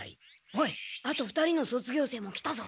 おいあと２人の卒業生も来たぞ。